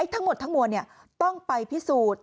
ทั้งหมดทั้งมวลต้องไปพิสูจน์